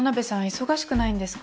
忙しくないんですか？